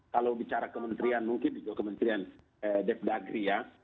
kalau bicara kementerian mungkin juga kementerian defdagri ya